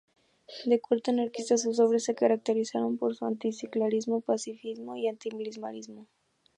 De corte anarquista, sus obras se caracterizaron por su anticlericalismo, pacifismo y antimilitarismo.